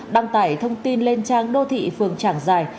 đăng tải thông tin lên trang đô thị phương trảng giài